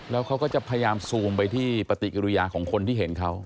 แล้วเขาก็จะพยายามซูมไปที่ปฏิกิริยาของคนที่เห็นเขา